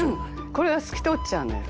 「これが透き通っちゃうのよ」